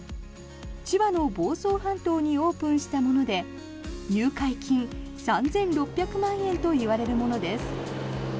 千葉の房総半島にオープンしたもので入会金３６００万円といわれるものです。